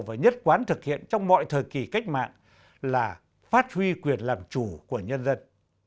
và nhất quán thực hiện trong mọi thời kỳ cách mạng là phát huy quyền làm chủ của nhân dân